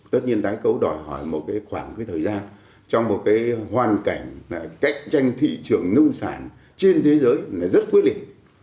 tất nhiên tái cấu đòi hỏi một khoảng thời gian trong một hoàn cảnh cách tranh thị trường nông sản trên thế giới rất quyết liệt